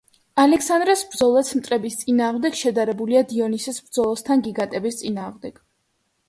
ალექსანდრეს ბრძოლაც მტრების წინააღმდეგ შედარებულია დიონისეს ბრძოლასთან გიგანტების წინააღმდეგ.